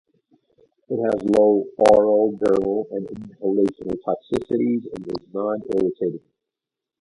It has low oral, dermal and inhalation toxicities and is non-irritating.